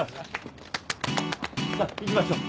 さあ行きましょう。